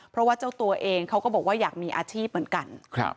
เพราะว่าเจ้าตัวเองเขาก็บอกว่าอยากมีอาชีพเหมือนกัน